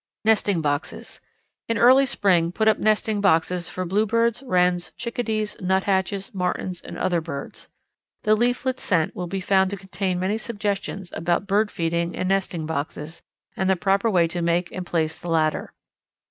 Nesting Boxes. In early spring put up nesting boxes for Bluebirds, Wrens, Chickadees, Nuthatches, Martins, and other birds. The leaflets sent will be found to contain many suggestions about bird feeding and nesting boxes, and the proper way to make and place the latter.